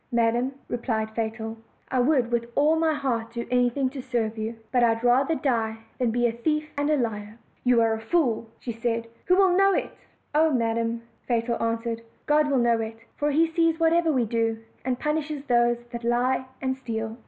"Madam," replied Fatal, "I would with all my heart do anything to serve you, but I had rather die than be a thief and a liar." "You are a fool," said she; "who will know it?" "Oh, madam," Fatal answered, "God will know it; for He sees whatever we do, and punishes those that lie and steal."